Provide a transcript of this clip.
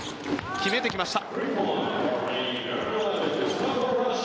決めてきました。